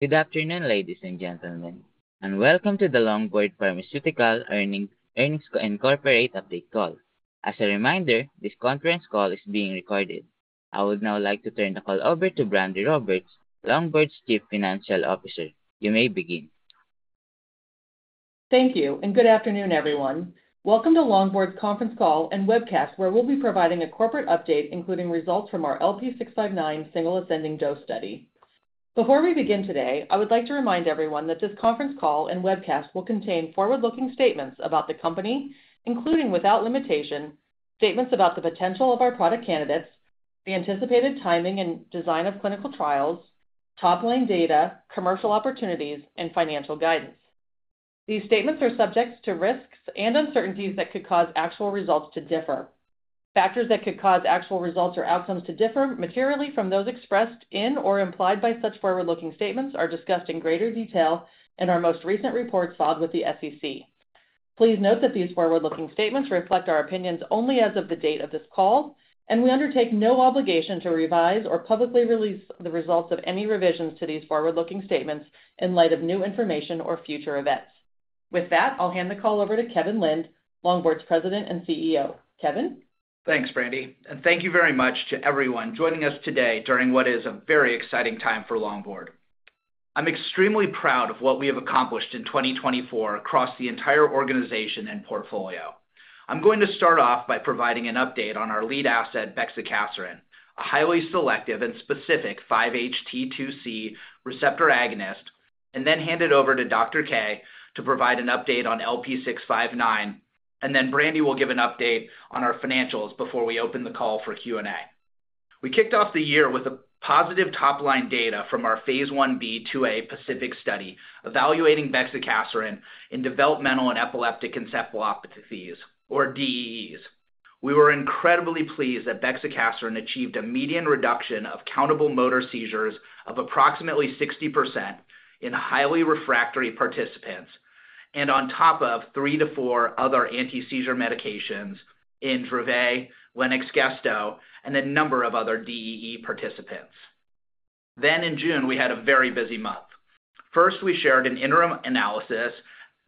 Good afternoon, ladies and gentlemen, and welcome to the Longboard Pharmaceuticals first quarter 2024 financial results and business update call. As a reminder, this conference call is being recorded. I would now like to turn the call over to Brandi Roberts, Longboard's Chief Financial Officer. You may begin. Thank you, and good afternoon, everyone. Welcome to Longboard's conference call and webcast, where we'll be providing a corporate update, including results from our LP659 single ascending dose study. Before we begin today, I would like to remind everyone that this conference call and webcast will contain forward-looking statements about the company, including, without limitation, statements about the potential of our product candidates, the anticipated timing and design of clinical trials, top line data, commercial opportunities, and financial guidance. These statements are subject to risks and uncertainties that could cause actual results to differ. Factors that could cause actual results or outcomes to differ materially from those expressed in or implied by such forward-looking statements are discussed in greater detail in our most recent reports filed with the SEC. Please note that these forward-looking statements reflect our opinions only as of the date of this call, and we undertake no obligation to revise or publicly release the results of any revisions to these forward-looking statements in light of new information or future events. With that, I'll hand the call over to Kevin Lind, Longboard's President and CEO. Kevin. Thanks, Brandi, and thank you very much to everyone joining us today during what is a very exciting time for Longboard. I'm extremely proud of what we have accomplished in 2024 across the entire organization and portfolio. I'm going to start off by providing an update on our lead asset, bexicaserin, a highly selective and specific 5-HT2C receptor agonist, and then hand it over to Dr. Kaye to provide an update on LP659. And then Brandi will give an update on our financials before we open the call for Q&A. We kicked off the year with positive top line data from our Phase Ib/IIa Pacific study evaluating bexicaserin in developmental and epileptic encephalopathies, or DEEs. We were incredibly pleased that bexicaserin achieved a median reduction of countable motor seizures of approximately 60% in highly refractory participants, and on top of 3-4 other anti-seizure medications in Dravet, Lennox-Gastaut, and a number of other DEE participants. Then in June, we had a very busy month. First, we shared an interim analysis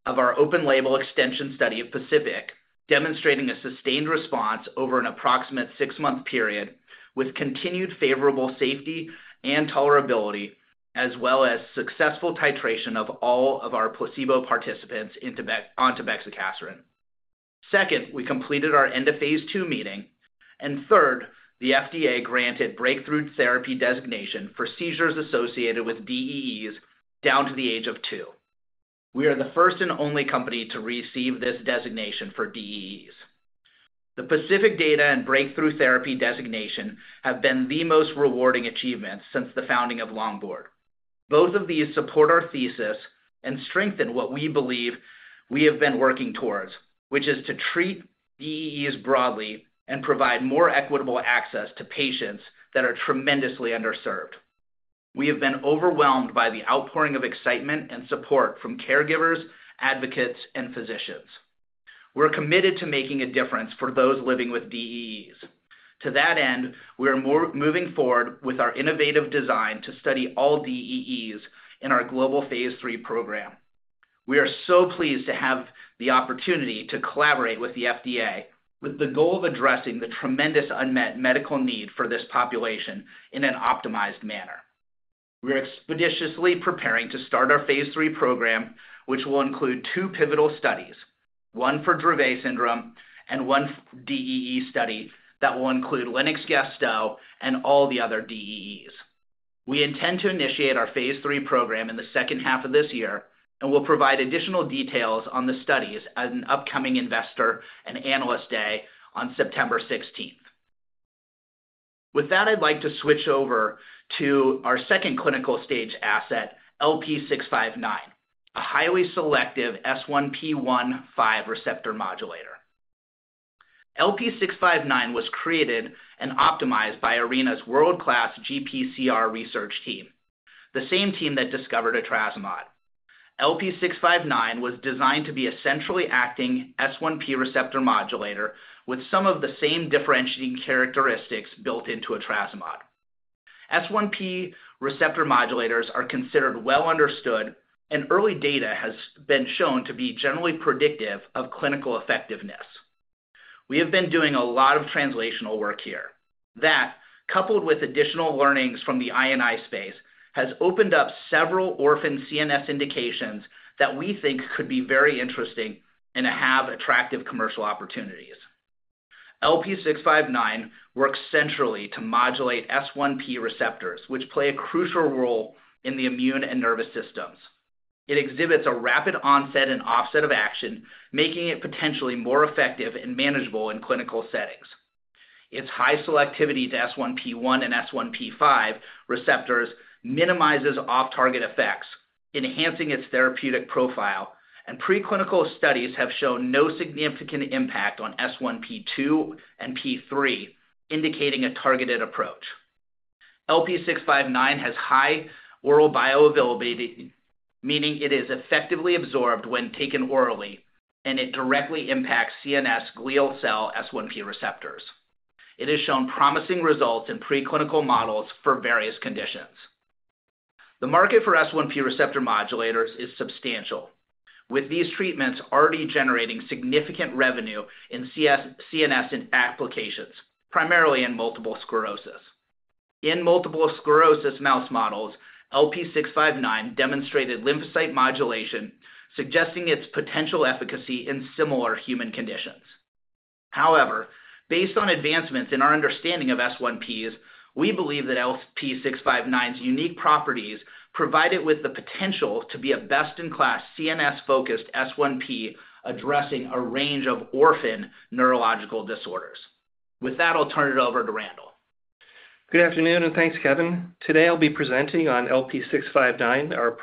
of our open label extension study of Pacific, demonstrating a sustained response over an approximate 6-month period with continued favorable safety and tolerability, as well as successful titration of all of our placebo participants onto bexicaserin. Second, we completed our end of phase II meeting. And third, the FDA granted breakthrough therapy designation for seizures associated with DEEs down to the age of 2. We are the first and only company to receive this designation for DEEs. The Pacific data and breakthrough therapy designation have been the most rewarding achievements since the founding of Longboard. Both of these support our thesis and strengthen what we believe we have been working towards, which is to treat DEEs broadly and provide more equitable access to patients that are tremendously underserved. We have been overwhelmed by the outpouring of excitement and support from caregivers, advocates, and physicians. We're committed to making a difference for those living with DEEs. To that end, we are moving forward with our innovative design to study all DEEs in our global phase III program. We are so pleased to have the opportunity to collaborate with the FDA with the goal of addressing the tremendous unmet medical need for this population in an optimized manner. We are expeditiously preparing to start our phase III program, which will include two pivotal studies, one for Dravet syndrome and one DEE study that will include Lennox-Gastaut and all the other DEEs. We intend to initiate our phase III program in the second half of this year, and we'll provide additional details on the studies at an upcoming investor and analyst day on September 16th. With that, I'd like to switch over to our second clinical stage asset, LP659, a highly selective S1P1/5 receptor modulator. LP659 was created and optimized by Arena's world-class GPCR research team, the same team that discovered etrasimod. LP659 was designed to be a centrally acting S1P receptor modulator with some of the same differentiating characteristics built into etrasimod. S1P receptor modulators are considered well understood, and early data has been shown to be generally predictive of clinical effectiveness. We have been doing a lot of translational work here. That, coupled with additional learnings from the I&I space, has opened up several orphaned CNS indications that we think could be very interesting and have attractive commercial opportunities. LP659 works centrally to modulate S1P receptors, which play a crucial role in the immune and nervous systems. It exhibits a rapid onset and offset of action, making it potentially more effective and manageable in clinical settings. Its high selectivity to S1P1 and S1P5 receptors minimizes off-target effects, enhancing its therapeutic profile, and preclinical studies have shown no significant impact on S1P2 and S1P3, indicating a targeted approach. LP659 has high oral bioavailability, meaning it is effectively absorbed when taken orally, and it directly impacts CNS glial cell S1P receptors. It has shown promising results in preclinical models for various conditions. The market for S1P receptor modulators is substantial, with these treatments already generating significant revenue in CNS applications, primarily in multiple sclerosis. In multiple sclerosis mouse models, LP659 demonstrated lymphocyte modulation, suggesting its potential efficacy in similar human conditions. However, based on advancements in our understanding of S1Ps, we believe that LP659's unique properties provide it with the potential to be a best-in-class CNS-focused S1P addressing a range of orphan neurological disorders. With that, I'll turn it over to Randall. Good afternoon, and thanks, Kevin. Today, I'll be presenting on LP659, our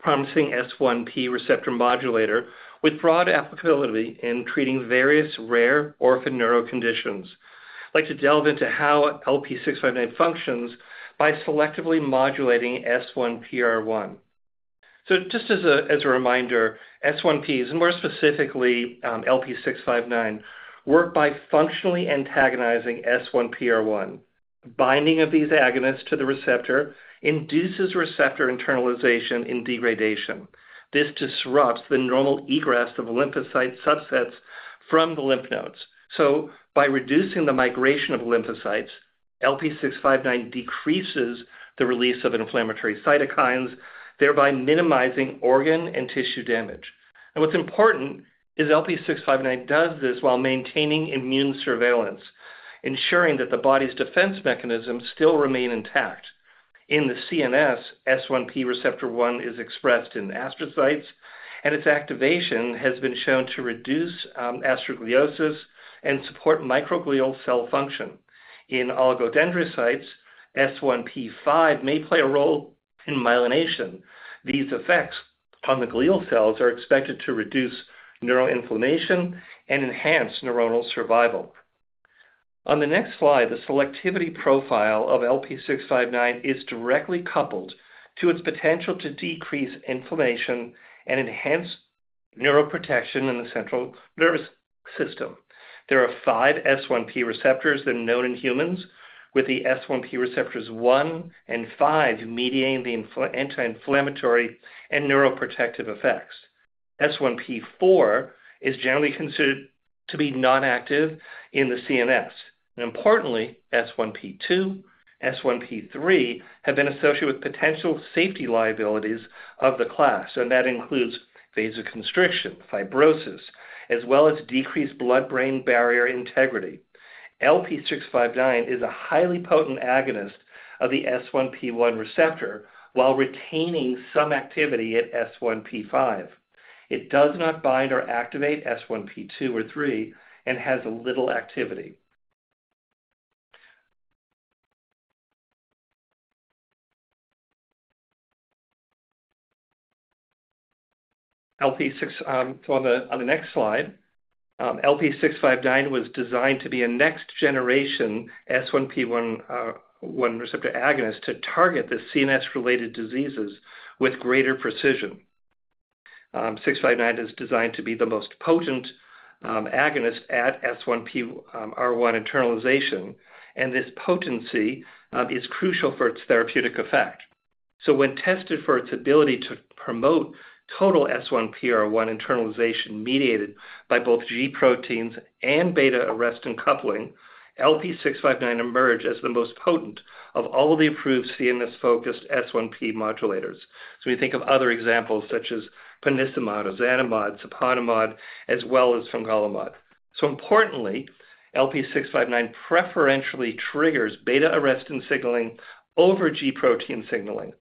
promising S1P receptor modulator with broad applicability in treating various rare orphan neuro conditions. I'd like to delve into how LP659 functions by selectively modulating S1PR1. So just as a reminder, S1Ps, and more specifically LP659, work by functionally antagonizing S1PR1. Binding of these agonists to the receptor induces receptor internalization and degradation. This disrupts the normal egress of lymphocyte subsets from the lymph nodes. So by reducing the migration of lymphocytes, LP659 decreases the release of inflammatory cytokines, thereby minimizing organ and tissue damage. And what's important is LP659 does this while maintaining immune surveillance, ensuring that the body's defense mechanisms still remain intact. In the CNS, S1P receptor 1 is expressed in astrocytes, and its activation has been shown to reduce astrogliosis and support microglial cell function. In oligodendrocytes, S1P5 may play a role in myelination. These effects on the glial cells are expected to reduce neuroinflammation and enhance neuronal survival. On the next slide, the selectivity profile of LP659 is directly coupled to its potential to decrease inflammation and enhance neuroprotection in the central nervous system. There are five S1P receptors that are known in humans, with the S1P receptors 1 and 5 mediating the anti-inflammatory and neuroprotective effects. S1P4 is generally considered to be non-active in the CNS. Importantly, S1P2, S1P3 have been associated with potential safety liabilities of the class, and that includes vasoconstriction, fibrosis, as well as decreased blood-brain barrier integrity. LP659 is a highly potent agonist of the S1P1 receptor while retaining some activity at S1P5. It does not bind or activate S1P2 or 3 and has little activity. So on the next slide, LP659 was designed to be a next-generation S1P1 receptor agonist to target the CNS-related diseases with greater precision. 659 is designed to be the most potent agonist at S1PR1 internalization, and this potency is crucial for its therapeutic effect. So when tested for its ability to promote total S1PR1 internalization mediated by both G proteins and beta-arrestin coupling, LP659 emerged as the most potent of all the approved CNS-focused S1P modulators. So we think of other examples such as ponesimod, ozanimod, siponimod, as well as fingolimod. So importantly, LP659 preferentially triggers beta-arrestin signaling over G protein signaling.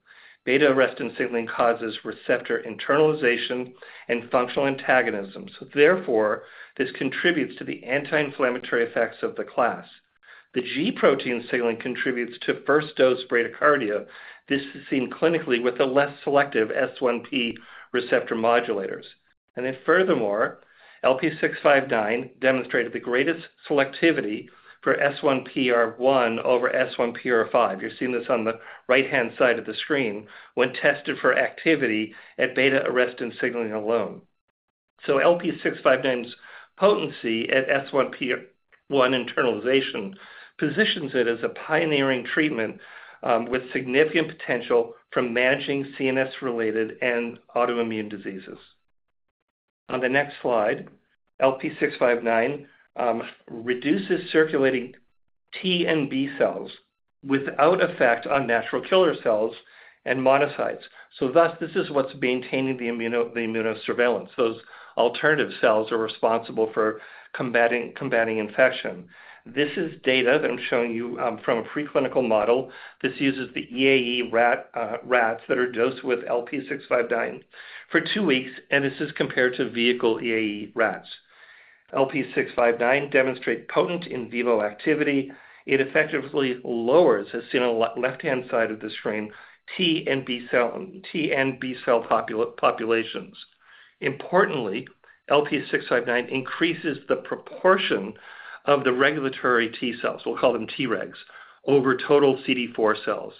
Beta-arrestin signaling causes receptor internalization and functional antagonism. So therefore, this contributes to the anti-inflammatory effects of the class. The G protein signaling contributes to first-dose bradycardia. This is seen clinically with the less selective S1P receptor modulators. And then furthermore, LP659 demonstrated the greatest selectivity for S1P1 over S1P5. You're seeing this on the right-hand side of the screen when tested for activity at beta-arrestin signaling alone. So LP659's potency at S1P1 internalization positions it as a pioneering treatment with significant potential for managing CNS-related and autoimmune diseases. On the next slide, LP659 reduces circulating T and B cells without effect on natural killer cells and monocytes. So thus, this is what's maintaining the immunosurveillance. Those alternative cells are responsible for combating infection. This is data that I'm showing you from a preclinical model. This uses the EAE rats that are dosed with LP659 for two weeks, and this is compared to vehicle EAE rats. LP659 demonstrates potent in vivo activity. It effectively lowers, as seen on the left-hand side of the screen, T and B cell populations. Importantly, LP659 increases the proportion of the regulatory T cells, we'll call them T regs, over total CD4 cells.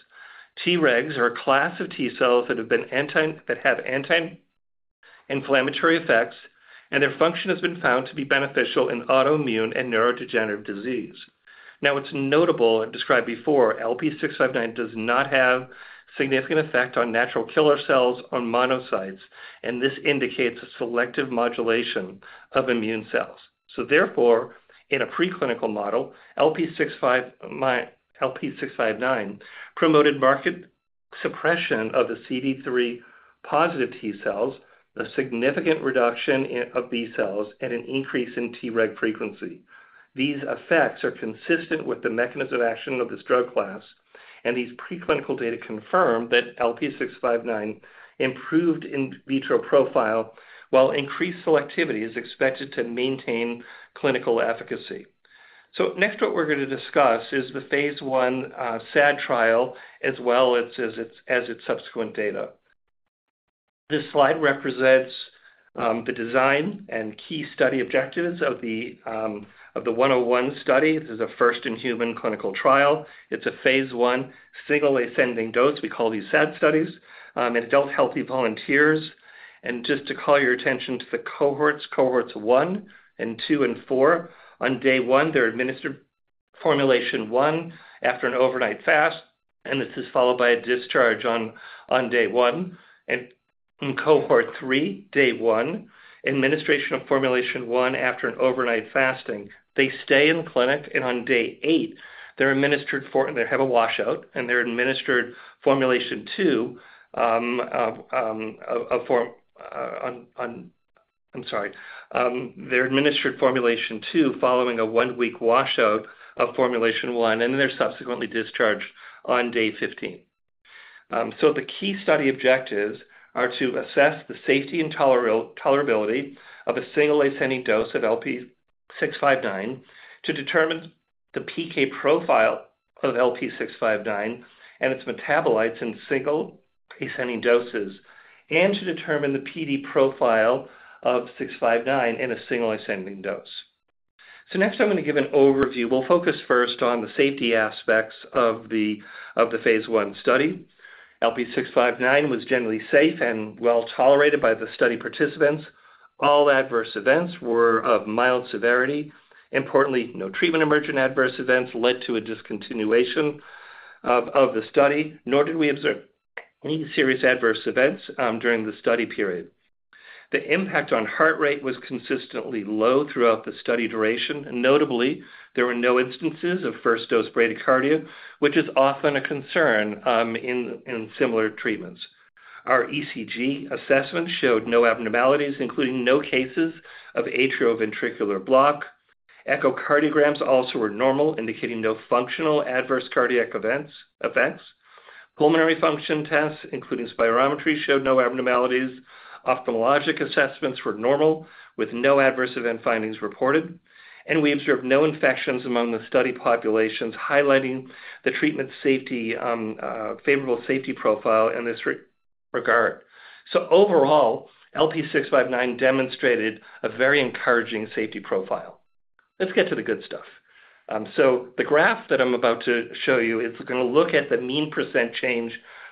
T regs are a class of T cells that have anti-inflammatory effects, and their function has been found to be beneficial in autoimmune and neurodegenerative disease. Now, it's notable that, described before, LP659 does not have a significant effect on natural killer cells or monocytes, and this indicates a selective modulation of immune cells. So therefore, in a preclinical model, LP659 promoted marked suppression of the CD3 positive T cells, a significant reduction of B cells, and an increase in T reg frequency. These effects are consistent with the mechanism of action of this drug class, and these preclinical data confirm that LP659 improved in vitro profile while increased selectivity is expected to maintain clinical efficacy. So next, what we're going to discuss is the phase I SAD trial, as well as its subsequent data. This slide represents the design and key study objectives of the 101 study. This is a first-in-human clinical trial. It's a phase I single ascending dose. We call these SAD studies in adult healthy volunteers. And just to call your attention to the cohorts, cohorts 1 and 2 and 4. On day 1, they're administered formulation one after an overnight fast, and this is followed by a discharge on day 1. And in cohort three, day 1, administration of formulation one after an overnight fasting. They stay in the clinic, and on day 8, they're administered for, and they have a washout. And they're administered formulation two of, I'm sorry, they're administered formulation two following a 1-week washout of formulation one, and then they're subsequently discharged on day 15. So the key study objectives are to assess the safety and tolerability of a single ascending dose of LP659, to determine the PK profile of LP659 and its metabolites in single ascending doses, and to determine the PD profile of LP659 in a single ascending dose. So next, I'm going to give an overview. We'll focus first on the safety aspects of the phase one study. LP659 was generally safe and well tolerated by the study participants. All adverse events were of mild severity. Importantly, no treatment-emergent adverse events led to a discontinuation of the study, nor did we observe any serious adverse events during the study period. The impact on heart rate was consistently low throughout the study duration. Notably, there were no instances of first-dose bradycardia, which is often a concern in similar treatments. Our ECG assessment showed no abnormalities, including no cases of atrioventricular block. Echocardiograms also were normal, indicating no functional adverse cardiac events. Pulmonary function tests, including spirometry, showed no abnormalities. Ophthalmologic assessments were normal with no adverse event findings reported. We observed no infections among the study populations, highlighting the treatment-favorable safety profile in this regard. Overall, LP659 demonstrated a very encouraging safety profile. Let's get to the good stuff. The graph that I'm about to show you is going to look at the mean percent change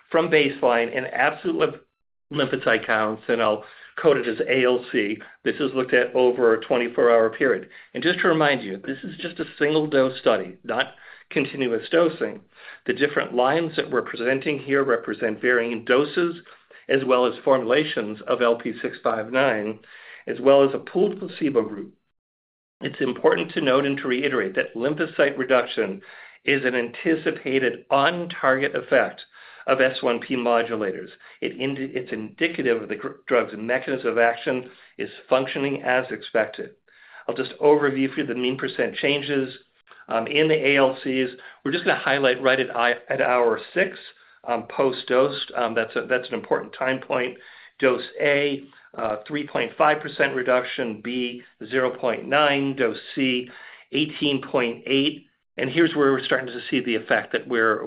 from baseline in absolute lymphocyte counts, and I'll code it as ALC. This is looked at over a 24-hour period. Just to remind you, this is just a single-dose study, not continuous dosing. The different lines that we're presenting here represent varying doses as well as formulations of LP659, as well as a pooled placebo group. It's important to note and to reiterate that lymphocyte reduction is an anticipated on-target effect of S1P modulators. It's indicative of the drug's mechanism of action is functioning as expected. I'll just overview for you the mean percent changes in the ALCs. We're just going to highlight right at hour six, post-dose. That's an important time point. Dose A, 3.5% reduction. B, 0.9%. Dose C, 18.8%. And here's where we're starting to see the effect that we're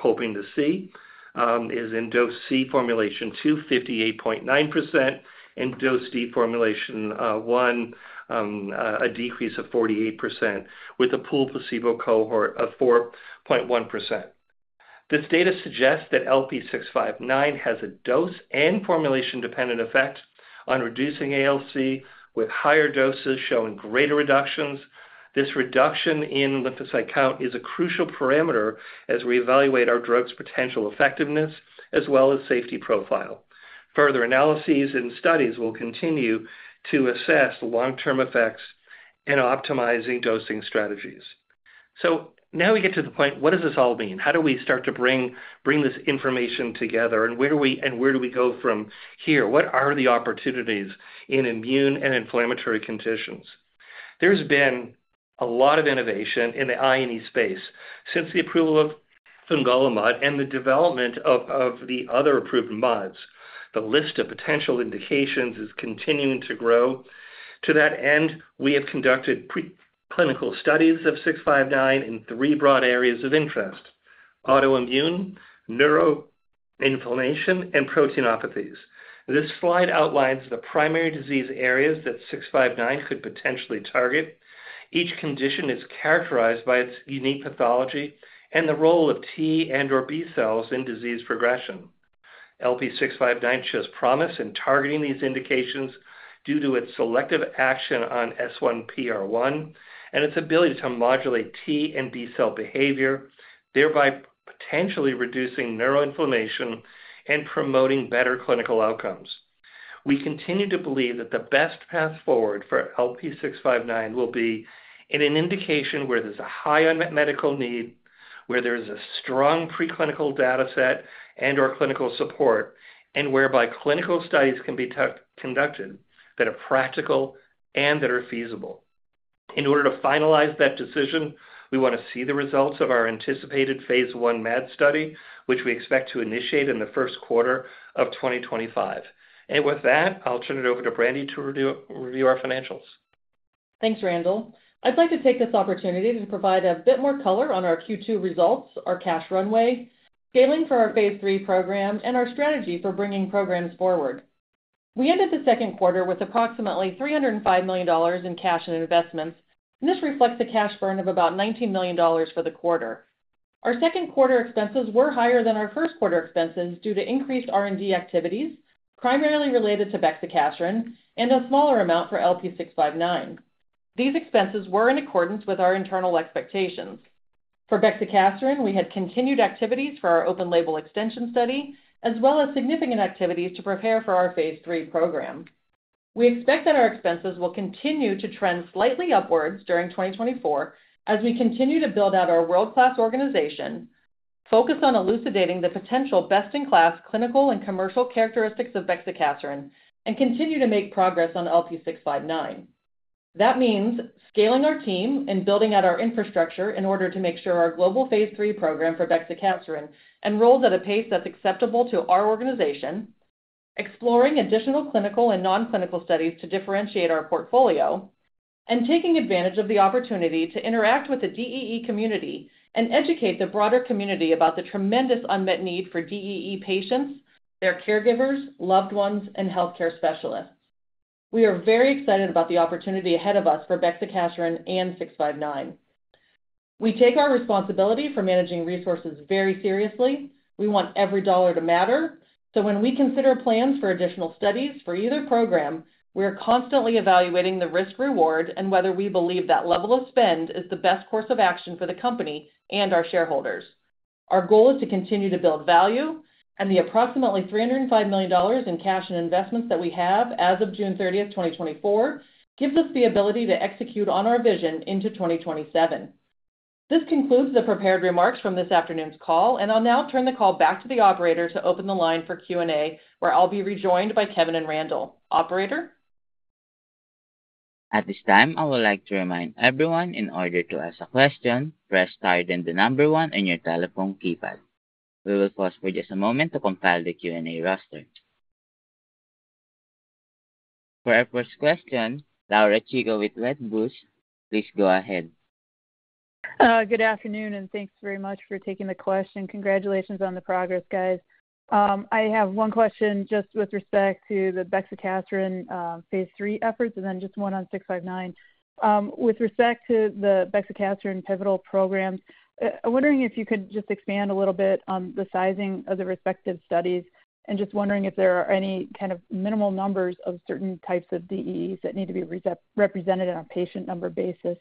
hoping to see is in dose C, formulation two, 58.9%, and dose D, formulation one, a decrease of 48% with a pooled placebo cohort of 4.1%. This data suggests that LP659 has a dose and formulation-dependent effect on reducing ALC, with higher doses showing greater reductions. This reduction in lymphocyte count is a crucial parameter as we evaluate our drug's potential effectiveness as well as safety profile. Further analyses and studies will continue to assess long-term effects and optimizing dosing strategies. So now we get to the point, what does this all mean? How do we start to bring this information together, and where do we go from here? What are the opportunities in immune and inflammatory conditions? There's been a lot of innovation in the I&I space since the approval of Fingolimod and the development of the other approved mods. The list of potential indications is continuing to grow. To that end, we have conducted preclinical studies of 659 in three broad areas of interest: autoimmune, neuroinflammation, and proteinopathies. This slide outlines the primary disease areas that 659 could potentially target. Each condition is characterized by its unique pathology and the role of T and/or B cells in disease progression. LP659 shows promise in targeting these indications due to its selective action on S1PR1 and its ability to modulate T and B cell behavior, thereby potentially reducing neuroinflammation and promoting better clinical outcomes. We continue to believe that the best path forward for LP659 will be in an indication where there's a high medical need, where there is a strong preclinical dataset and/or clinical support, and whereby clinical studies can be conducted that are practical and that are feasible. In order to finalize that decision, we want to see the results of our anticipated phase I MAD study, which we expect to initiate in the first quarter of 2025. And with that, I'll turn it over to Brandi to review our financials. Thanks, Randall. I'd like to take this opportunity to provide a bit more color on our Q2 results, our cash runway, scaling for our phase III program, and our strategy for bringing programs forward. We ended the second quarter with approximately $305 million in cash and investments, and this reflects a cash burn of about $19 million for the quarter. Our second quarter expenses were higher than our first quarter expenses due to increased R&D activities, primarily related to Bexacaserin, and a smaller amount for LP659. These expenses were in accordance with our internal expectations. For Bexacaserin, we had continued activities for our open label extension study, as well as significant activities to prepare for our phase III program. We expect that our expenses will continue to trend slightly upwards during 2024 as we continue to build out our world-class organization, focus on elucidating the potential best-in-class clinical and commercial characteristics of Bexacaserin, and continue to make progress on LP659. That means scaling our team and building out our infrastructure in order to make sure our global phase III program for Bexacaserin enrolls at a pace that's acceptable to our organization, exploring additional clinical and non-clinical studies to differentiate our portfolio, and taking advantage of the opportunity to interact with the DEE community and educate the broader community about the tremendous unmet need for DEE patients, their caregivers, loved ones, and healthcare specialists. We are very excited about the opportunity ahead of us for Bexacaserin and 659. We take our responsibility for managing resources very seriously. We want every dollar to matter. So when we consider plans for additional studies for either program, we are constantly evaluating the risk-reward and whether we believe that level of spend is the best course of action for the company and our shareholders. Our goal is to continue to build value, and the approximately $305 million in cash and investments that we have as of June 30th, 2024, gives us the ability to execute on our vision into 2027. This concludes the prepared remarks from this afternoon's call, and I'll now turn the call back to the operator to open the line for Q&A, where I'll be rejoined by Kevin and Randall. Operator? At this time, I would like to remind everyone in order to ask a question, press star then the number one on your telephone keypad. We will pause for just a moment to compile the Q&A roster. For our first question, Laura Chico with Wedbush, please go ahead. Good afternoon, and thanks very much for taking the question. Congratulations on the progress, guys. I have one question just with respect to the Bexacaserin phase III efforts, and then just one on 659. With respect to the Bexacaserin pivotal programs, I'm wondering if you could just expand a little bit on the sizing of the respective studies, and just wondering if there are any kind of minimal numbers of certain types of DEEs that need to be represented on a patient number basis.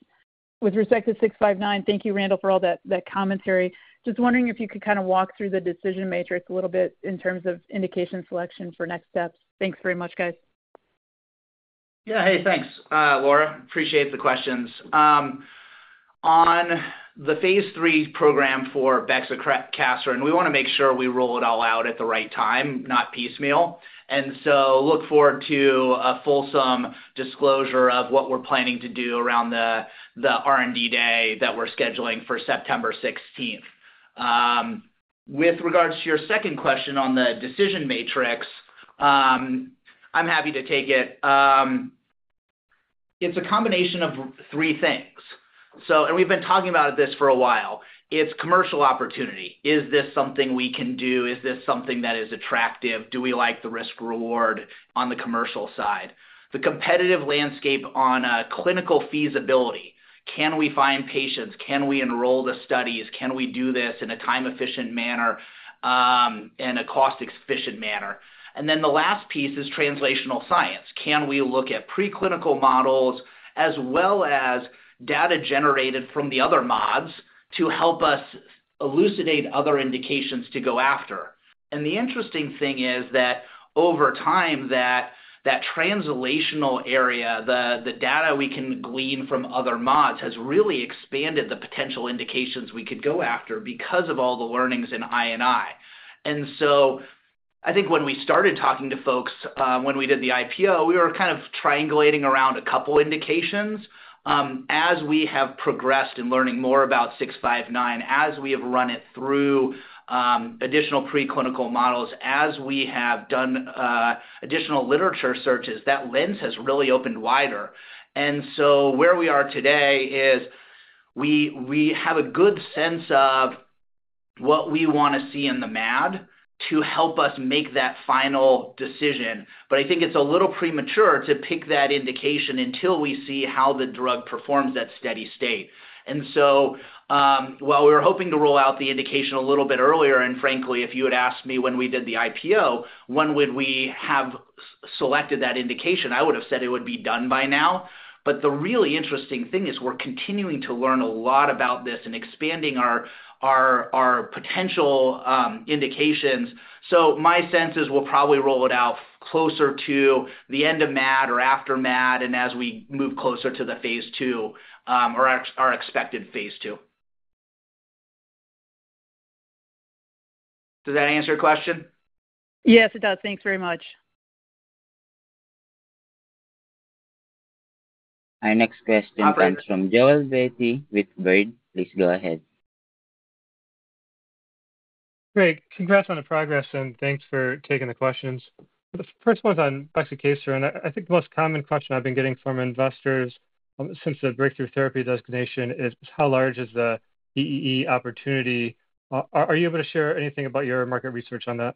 With respect to 659, thank you, Randall, for all that commentary. Just wondering if you could kind of walk through the decision matrix a little bit in terms of indication selection for next steps. Thanks very much, guys. Yeah, hey, thanks, Laura. Appreciate the questions. On the phase III program for Bexacaserin, we want to make sure we roll it all out at the right time, not piecemeal. So look forward to a fulsome disclosure of what we're planning to do around the R&D day that we're scheduling for September 16th. With regards to your second question on the decision matrix, I'm happy to take it. It's a combination of 3 things. We've been talking about this for a while. It's commercial opportunity. Is this something we can do? Is this something that is attractive? Do we like the risk-reward on the commercial side? The competitive landscape on clinical feasibility. Can we find patients? Can we enroll the studies? Can we do this in a time-efficient manner and a cost-efficient manner? And then the last piece is translational science. Can we look at preclinical models as well as data generated from the other mods to help us elucidate other indications to go after? The interesting thing is that over time, that translational area, the data we can glean from other mods has really expanded the potential indications we could go after because of all the learnings in I&I. So I think when we started talking to folks, when we did the IPO, we were kind of triangulating around a couple of indications. As we have progressed in learning more about 659, as we have run it through additional preclinical models, as we have done additional literature searches, that lens has really opened wider. Where we are today is we have a good sense of what we want to see in the MAD to help us make that final decision. But I think it's a little premature to pick that indication until we see how the drug performs at steady state. And so while we were hoping to roll out the indication a little bit earlier, and frankly, if you had asked me when we did the IPO, when would we have selected that indication, I would have said it would be done by now. But the really interesting thing is we're continuing to learn a lot about this and expanding our potential indications. So my sense is we'll probably roll it out closer to the end of MAD or after MAD and as we move closer to the phase two or our expected phase two. Does that answer your question? Yes, it does. Thanks very much. Our next question comes from Joel Beatty with Baird. Please go ahead. Great. Congrats on the progress, and thanks for taking the questions. The first one's on Bexacaserin. I think the most common question I've been getting from investors since the Breakthrough Therapy designation is how large is the DEE opportunity? Are you able to share anything about your market research on that?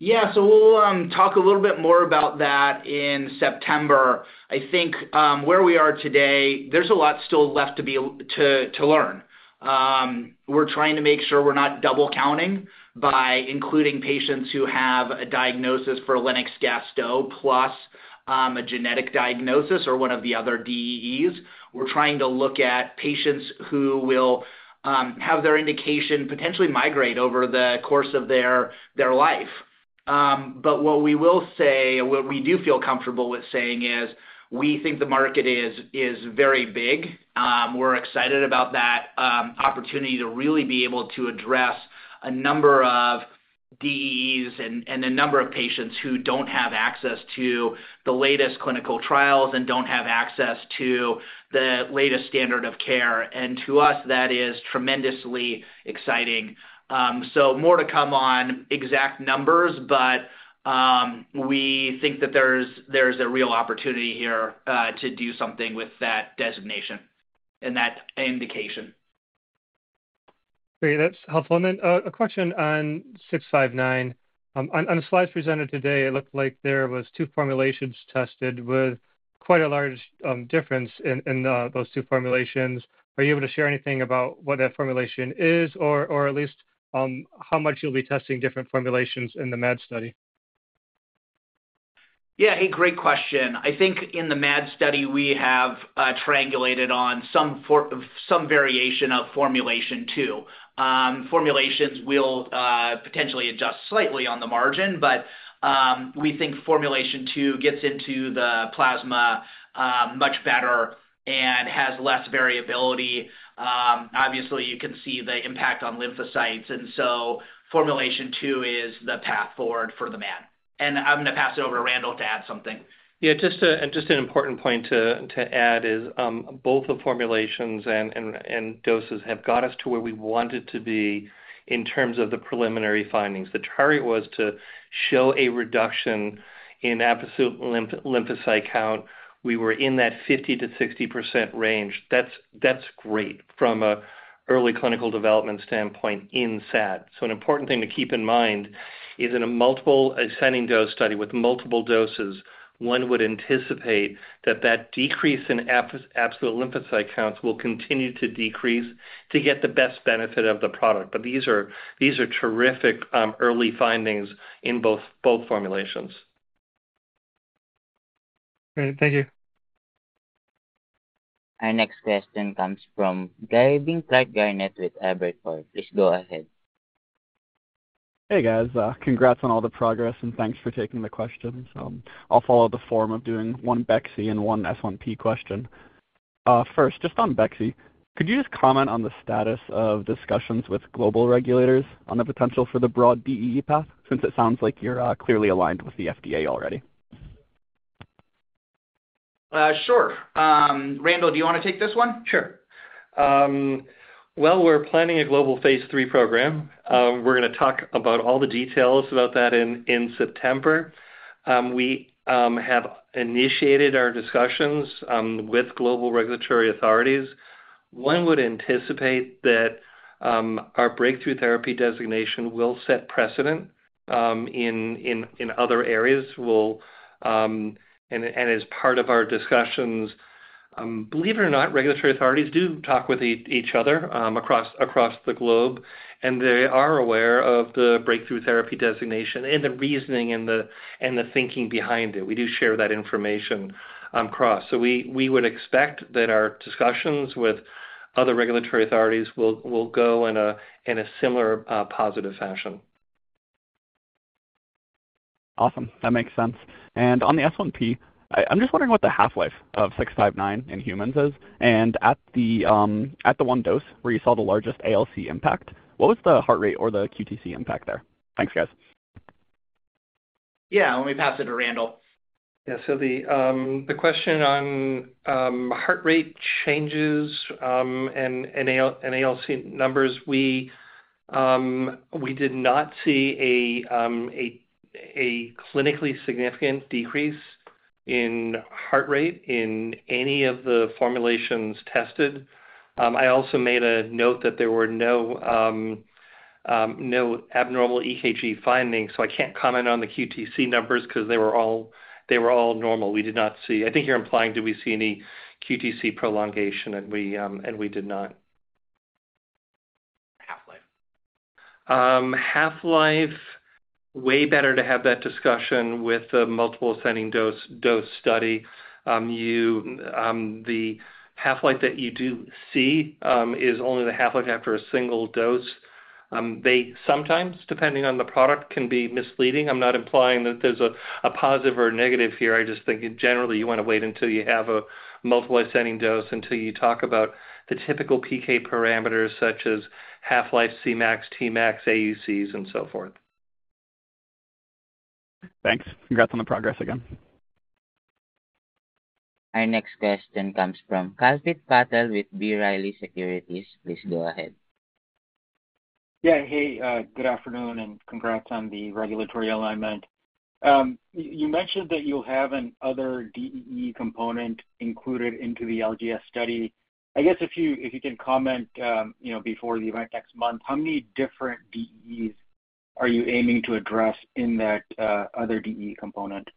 Yeah. So we'll talk a little bit more about that in September. I think where we are today, there's a lot still left to learn. We're trying to make sure we're not double-counting by including patients who have a diagnosis for Lennox-Gastaut plus a genetic diagnosis or one of the other DEEs. We're trying to look at patients who will have their indication potentially migrate over the course of their life. But what we will say, what we do feel comfortable with saying is we think the market is very big. We're excited about that opportunity to really be able to address a number of DEEs and a number of patients who don't have access to the latest clinical trials and don't have access to the latest standard of care. And to us, that is tremendously exciting. So more to come on exact numbers, but we think that there's a real opportunity here to do something with that designation and that indication. Great. That's helpful. And then a question on 659. On the slides presented today, it looked like there were two formulations tested with quite a large difference in those two formulations. Are you able to share anything about what that formulation is, or at least how much you'll be testing different formulations in the MAD study? Yeah. Hey, great question. I think in the MAD study, we have triangulated on some variation of formulation two. Formulations will potentially adjust slightly on the margin, but we think formulation two gets into the plasma much better and has less variability. Obviously, you can see the impact on lymphocytes. And so formulation two is the path forward for the MAD. And I'm going to pass it over to Randall to add something. Yeah. Just an important point to add is both the formulations and doses have got us to where we wanted to be in terms of the preliminary findings. The target was to show a reduction in absolute lymphocyte count. We were in that 50%-60% range. That's great from an early clinical development standpoint in SAD. So an important thing to keep in mind is in a multiple ascending dose study with multiple doses, one would anticipate that that decrease in absolute lymphocyte counts will continue to decrease to get the best benefit of the product. But these are terrific early findings in both formulations. Great. Thank you. Our next question comes from Gavin Clark-Gartner with Evercore. Please go ahead. Hey, guys. Congrats on all the progress, and thanks for taking the questions. I'll follow the form of doing one Bexy and one S1P question. First, just on Bexy, could you just comment on the status of discussions with global regulators on the potential for the broad DEE path, since it sounds like you're clearly aligned with the FDA already? Sure. Randall, do you want to take this one? Sure. Well, we're planning a global phase three program. We're going to talk about all the details about that in September. We have initiated our discussions with global regulatory authorities. One would anticipate that our Breakthrough Therapy designation will set precedent in other areas. And as part of our discussions, believe it or not, regulatory authorities do talk with each other across the globe, and they are aware of the Breakthrough Therapy designation and the reasoning and the thinking behind it. We do share that information across. So we would expect that our discussions with other regulatory authorities will go in a similar positive fashion. Awesome. That makes sense. And on the S1P, I'm just wondering what the half-life of 659 in humans is. And at the one dose where you saw the largest ALC impact, what was the heart rate or the QTc impact there? Thanks, guys. Yeah. Let me pass it to Randall. Yeah. So the question on heart rate changes and ALC numbers, we did not see a clinically significant decrease in heart rate in any of the formulations tested. I also made a note that there were no abnormal EKG findings, so I can't comment on the QTc numbers because they were all normal. We did not see, I think you're implying did we see any QTc prolongation, and we did not. Half-life. Half-life, way better to have that discussion with the multiple ascending dose study. The half-life that you do see is only the half-life after a single dose. They sometimes, depending on the product, can be misleading. I'm not implying that there's a positive or negative here. I just think generally you want to wait until you have a multiple ascending dose until you talk about the typical PK parameters such as half-life, Cmax, Tmax, AUCs, and so forth. Thanks. Congrats on the progress again. Our next question comes from Kalpit Patel with B. Riley Securities. Please go ahead. Yeah. Hey, good afternoon, and congrats on the regulatory alignment. You mentioned that you'll have another DEE component included into the LGS study. I guess if you can comment before the event next month, how many different DEEs are you aiming to address in that other DEE component?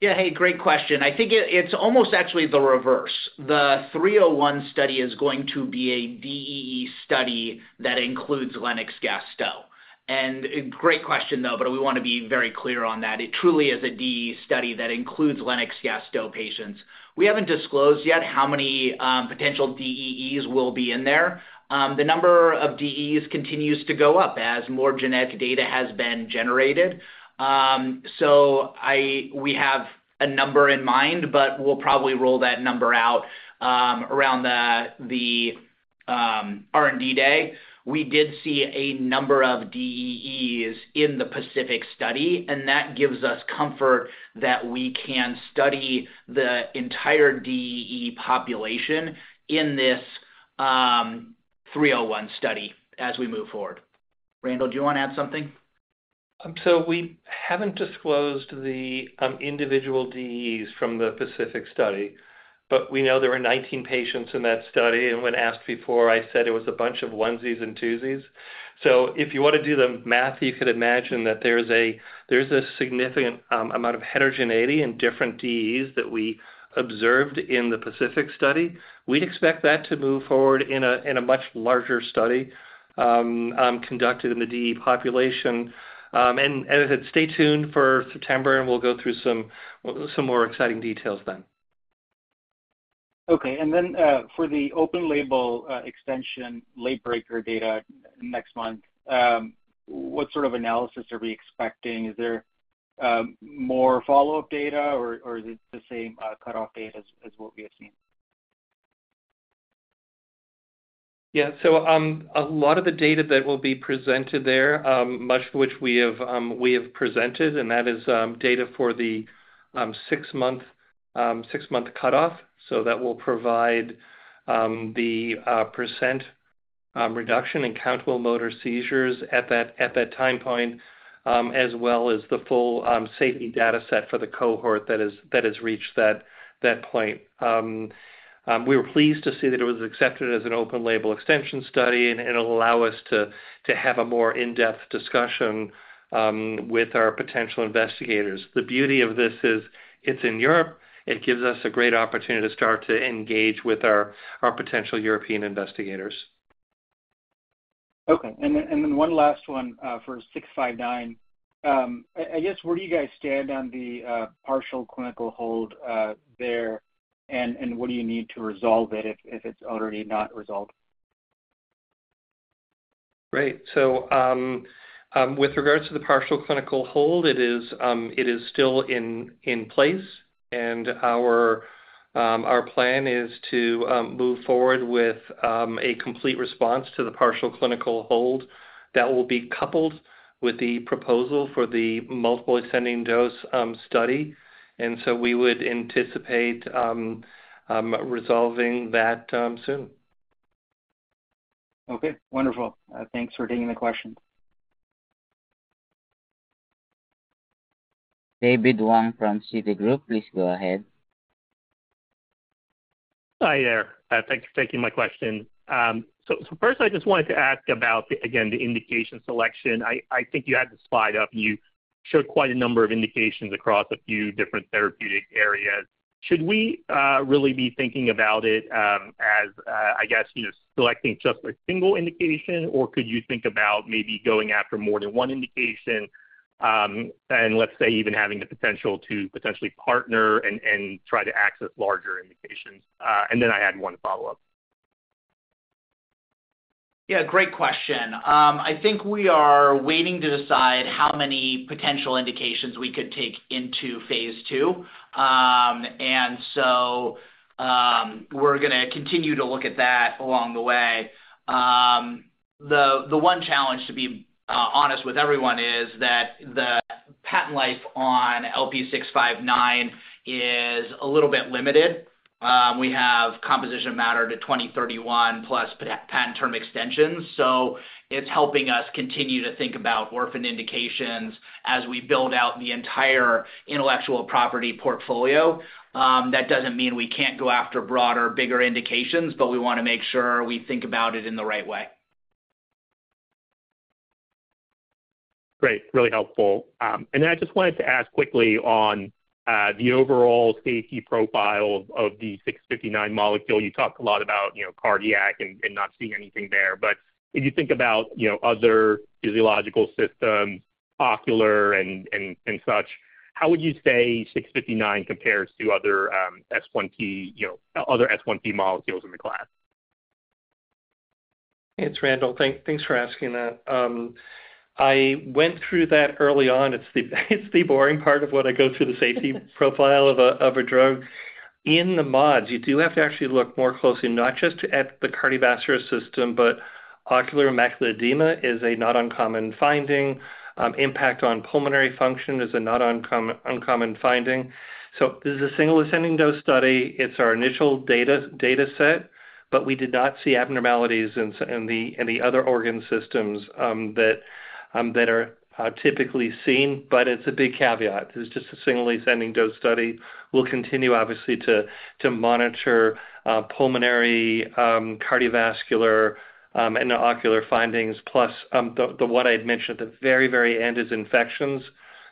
Yeah. Hey, great question. I think it's almost actually the reverse. The 301 study is going to be a DEE study that includes Lennox-Gastaut. And great question, though, but we want to be very clear on that. It truly is a DEE study that includes Lennox-Gastaut patients. We haven't disclosed yet how many potential DEEs will be in there. The number of DEEs continues to go up as more genetic data has been generated. So we have a number in mind, but we'll probably roll that number out around the R&D day. We did see a number of DEEs in the Pacific study, and that gives us comfort that we can study the entire DEE population in this 301 study as we move forward. Randall, do you want to add something? So we haven't disclosed the individual DEEs from the Pacific study, but we know there were 19 patients in that study. And when asked before, I said it was a bunch of onesies and twosies. So if you want to do the math, you could imagine that there's a significant amount of heterogeneity in different DEEs that we observed in the Pacific study. We'd expect that to move forward in a much larger study conducted in the DEE population. And stay tuned for September, and we'll go through some more exciting details then. Okay. And then for the open-label extension late breaker data next month, what sort of analysis are we expecting? Is there more follow-up data, or is it the same cutoff date as what we have seen? Yeah. So a lot of the data that will be presented there, much of which we have presented, and that is data for the 6-month cutoff. So that will provide the percent reduction in countable motor seizures at that time point, as well as the full safety dataset for the cohort that has reached that point. We were pleased to see that it was accepted as an open-label extension study and it'll allow us to have a more in-depth discussion with our potential investigators. The beauty of this is it's in Europe. It gives us a great opportunity to start to engage with our potential European investigators. Okay. And then one last one for 659. I guess, where do you guys stand on the partial clinical hold there, and what do you need to resolve it if it's already not resolved? Right. So with regards to the partial clinical hold, it is still in place, and our plan is to move forward with a complete response to the partial clinical hold that will be coupled with the proposal for the multiple ascending dose study. And so we would anticipate resolving that soon. Okay. Wonderful. Thanks for taking the question. David Hoang from Citigroup. Please go ahead. Hi there. Thanks for taking my question. So first, I just wanted to ask about, again, the indication selection. I think you had the slide up, and you showed quite a number of indications across a few different therapeutic areas. Should we really be thinking about it as, I guess, selecting just a single indication, or could you think about maybe going after more than one indication and, let's say, even having the potential to potentially partner and try to access larger indications? And then I had one follow-up. Yeah. Great question. I think we are waiting to decide how many potential indications we could take into phase II. And so we're going to continue to look at that along the way. The one challenge, to be honest with everyone, is that the patent life on LP659 is a little bit limited. We have composition of matter to 2031 plus patent term extensions. So it's helping us continue to think about orphan indications as we build out the entire intellectual property portfolio. That doesn't mean we can't go after broader, bigger indications, but we want to make sure we think about it in the right way. Great. Really helpful. And then I just wanted to ask quickly on the overall safety profile of the 659 molecule. You talked a lot about cardiac and not seeing anything there. But if you think about other physiological systems, ocular and such, how would you say 659 compares to other S1P molecules in the class? Thanks, Randall. Thanks for asking that. I went through that early on. It's the boring part of what I go through, the safety profile of a drug. In the mods, you do have to actually look more closely, not just at the cardiovascular system, but ocular and macular edema is a not uncommon finding. Impact on pulmonary function is a not uncommon finding. So this is a single ascending dose study. It's our initial dataset, but we did not see abnormalities in the other organ systems that are typically seen. But it's a big caveat. This is just a single ascending dose study. We'll continue, obviously, to monitor pulmonary, cardiovascular, and ocular findings. Plus, what I had mentioned at the very, very end is infections.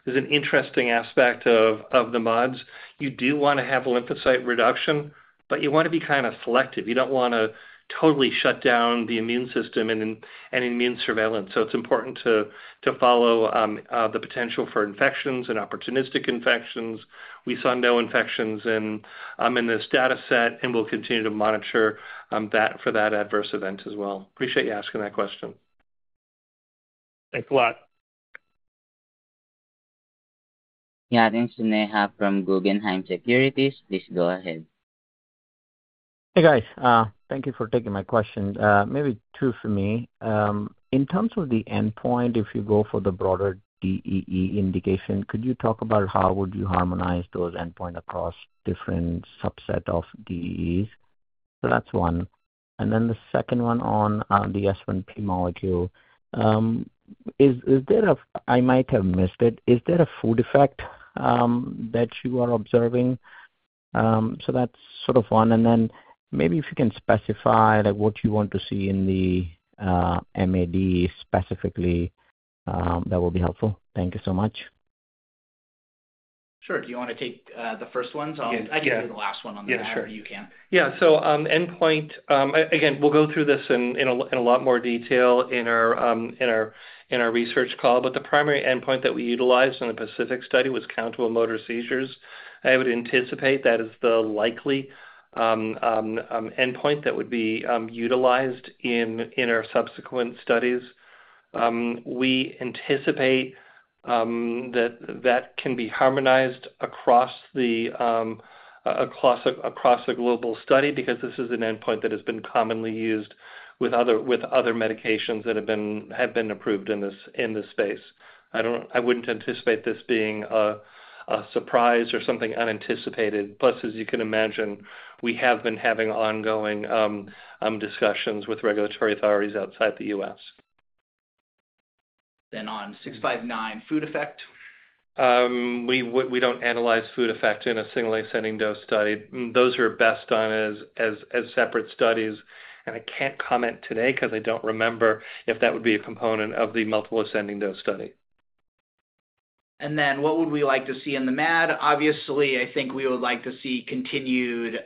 There's an interesting aspect of the mods. You do want to have lymphocyte reduction, but you want to be kind of selective. You don't want to totally shut down the immune system and immune surveillance. So it's important to follow the potential for infections and opportunistic infections. We saw no infections in this dataset, and we'll continue to monitor that for that adverse event as well. Appreciate you asking that question. Thanks a lot. Yatin Suneja from Guggenheim Securities. Please go ahead. Hey, guys. Thank you for taking my question. Maybe two for me. In terms of the endpoint, if you go for the broader DEE indication, could you talk about how would you harmonize those endpoints across different subsets of DEEs? So that's one. And then the second one on the S1P molecule, I might have missed it. Is there a food effect that you are observing? So that's sort of one. And then maybe if you can specify what you want to see in the MAD specifically, that would be helpful. Thank you so much. Sure. Do you want to take the first ones? I can do the last one on that. You can. Yeah. So endpoint, again, we'll go through this in a lot more detail in our research call. But the primary endpoint that we utilized in the Pacific study was countable motor seizures. I would anticipate that is the likely endpoint that would be utilized in our subsequent studies. We anticipate that that can be harmonized across the global study because this is an endpoint that has been commonly used with other medications that have been approved in this space. I wouldn't anticipate this being a surprise or something unanticipated. Plus, as you can imagine, we have been having ongoing discussions with regulatory authorities outside the U.S. Then on 659, food effect? We don't analyze food effect in a single ascending dose study. Those are best done as separate studies. And I can't comment today because I don't remember if that would be a component of the multiple ascending dose study. And then what would we like to see in the MAD? Obviously, I think we would like to see continued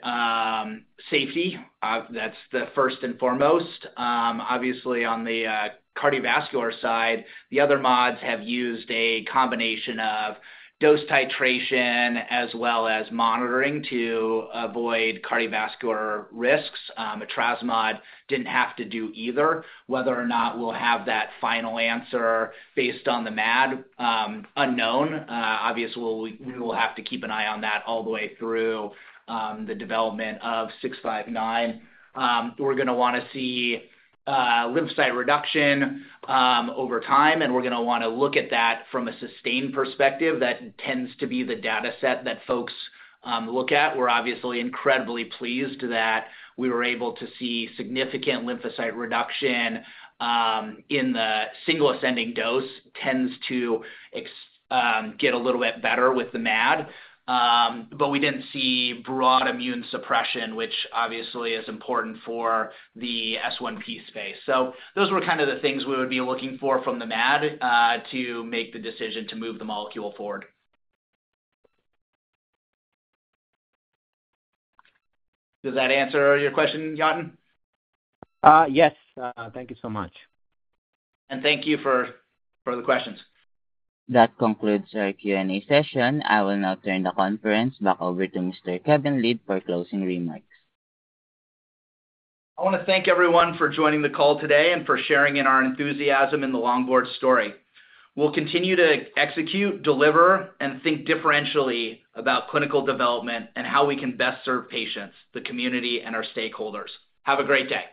safety. That's the first and foremost. Obviously, on the cardiovascular side, the other mods have used a combination of dose titration as well as monitoring to avoid cardiovascular risks. etrasimod didn't have to do either. Whether or not we'll have that final answer based on the MAD, unknown. Obviously, we will have to keep an eye on that all the way through the development of 659. We're going to want to see lymphocyte reduction over time, and we're going to want to look at that from a sustained perspective. That tends to be the dataset that folks look at. We're obviously incredibly pleased that we were able to see significant lymphocyte reduction in the single ascending dose. Tends to get a little bit better with the MAD. But we didn't see broad immune suppression, which obviously is important for the S1P space. So those were kind of the things we would be looking for from the MAD to make the decision to move the molecule forward. Does that answer your question, Yatin? Yes. Thank you so much. Thank you for the questions. That concludes our Q&A session. I will now turn the conference back over to Mr. Kevin Lind for closing remarks. I want to thank everyone for joining the call today and for sharing in our enthusiasm in the Longboard story. We'll continue to execute, deliver, and think differentially about clinical development and how we can best serve patients, the community, and our stakeholders. Have a great day.